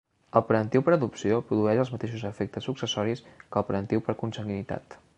El parentiu per adopció produeix els mateixos efectes successoris que el parentiu per consanguinitat.